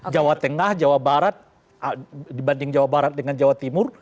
jawa tengah jawa barat dibanding jawa barat dengan jawa timur